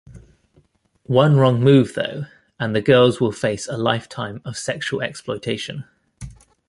One wrong move though and the girls will face a lifetime of sexual exploitation.